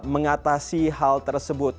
mengatasi hal tersebut